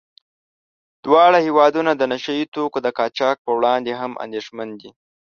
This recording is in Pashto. دواړه هېوادونه د نشه يي توکو د قاچاق په وړاندې هم اندېښمن دي.